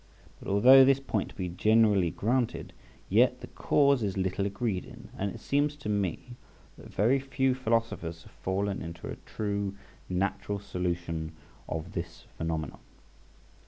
But although this point be generally granted, yet the cause is little agreed in; and it seems to me that very few philosophers have fallen into a true natural solution of this phenomenon.